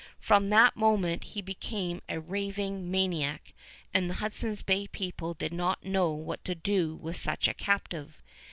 From that moment he became a raving maniac, and the Hudson's Bay people did not know what to do with such a captive.